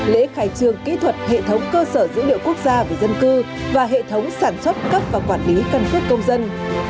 lễ khải trương kỹ thuật hệ thống cơ sở dữ liệu quốc gia về dân cư và hệ thống sản xuất cấp và quản lý căn cứ công dân